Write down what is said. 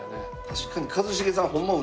確かに一茂さんホンマ